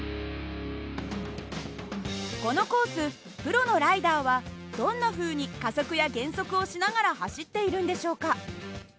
このコースプロのライダーはどんなふうに加速や減速をしながら走っているんでしょうか。